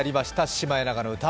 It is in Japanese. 「シマエナガの歌」